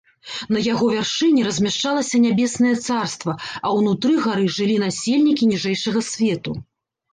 На яго вяршыні размяшчалася нябеснае царства, а ўнутры гары жылі насельнікі ніжэйшага свету.